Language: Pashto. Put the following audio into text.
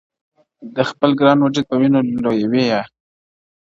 د خپل ګران وجود په وینو لویوي یې -